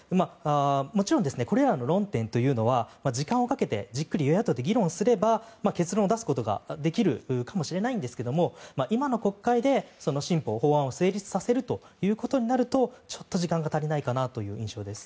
もちろんこれらの論点というのは時間をかけてじっくり与野党で議論すれば結論を出すことができるかもしれないんですが今の国会で新法、法案を成立させるということになるとちょっと時間が足りないかなという印象です。